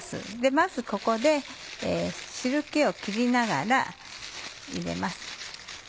まずここで汁気を切りながら入れます。